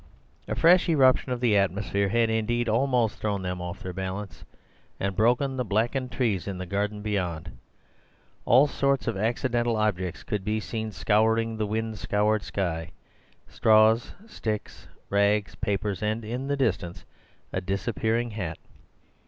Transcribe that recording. A fresh eruption of the atmosphere had indeed almost thrown them off their balance and broken the blackened trees in the garden. Beyond, all sorts of accidental objects could be seen scouring the wind scoured sky—straws, sticks, rags, papers, and, in the distance, a disappearing hat.